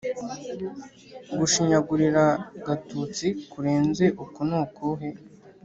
gushinyagurira gatutsi kurenze uku ni ukuhe?